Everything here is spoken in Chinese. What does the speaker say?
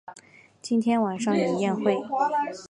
今天晚上有宴会